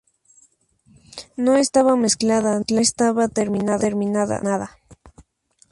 No estaba mezclada, no estaba terminada, no era nada.